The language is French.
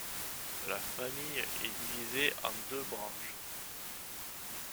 La famille est divisée en deux branches.